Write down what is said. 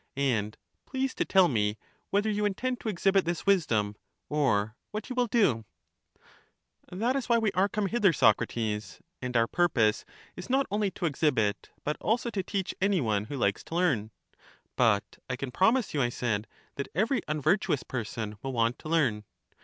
And please to tell me whether you intend to exhibit this wisdom, or what you will do. i EUTHYDEMUS 225 That is why we are come hither, Socrates ; and our purpose is not only to exhibit, but also to teach any one who likes to learn. But I can promise you, I said, that every unvir tuous person will want to learn.